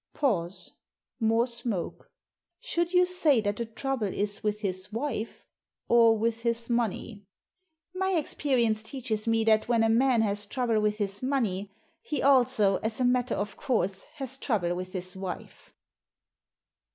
Pause ; more smoke. " Should you say that the trouble is with his wife, or with his money?" My experience teaches me that when a man has trouble with his money he also, as a matter of course, has trouble with his wife."